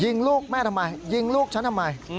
ยิงลูกแม่ทำไมยิงลูกฉันทำไม